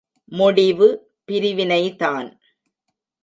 முடிவு பிரிவினை தான்!